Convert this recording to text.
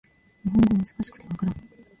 日本語難しくて分からん